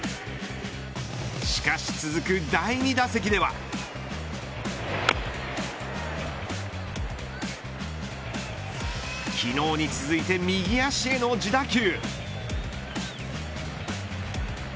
しかし、続く第２打席では昨日に続いて右足への自打球。